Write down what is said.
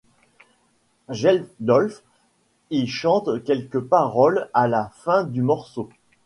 Geldof y chante quelques paroles à la fin du morceau.